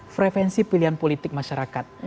frevensi pilihan politik masyarakat